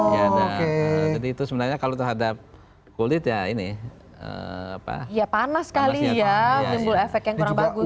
jadi itu sebenarnya kalau terhadap kulit ya panas sekali ya bumbul efek yang kurang bagus